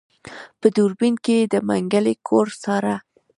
په دوربين کې يې د منګلي کور څاره.